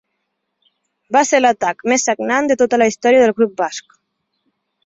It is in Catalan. Va ser l’atac més sagnant de tota la història del grup basc.